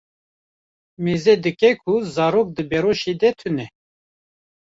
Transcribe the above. Mêze dike ku zarok di beroşê de tune.